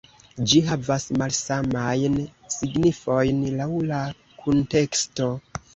Ĝi havas malsamajn signifojn laŭ la kunteksto.